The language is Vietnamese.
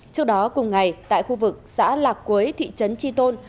trước đó cùng ngày tại khu vực xã lạc quế thị trấn tri tôn